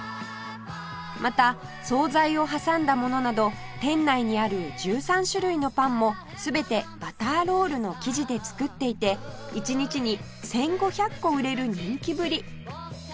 また総菜を挟んだものなど店内にある１３種類のパンも全てバターロールの生地で作っていて一日に１５００個売れる人気ぶり